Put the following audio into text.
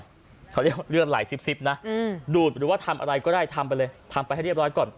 เขาเรียกว่าเลือดไหลซิบนะดูดหรือว่าทำอะไรก็ได้ทำไปเลยทำไปให้เรียบร้อยก่อน